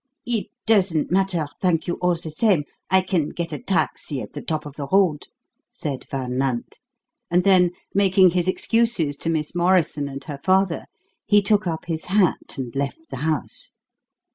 "It doesn't matter, thank you all the same. I can get a taxi at the top of the road," said Van Nant; and then, making his excuses to Miss Morrison and her father, he took up his hat and left the house.